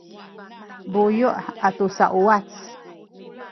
buyu’ atu sauwac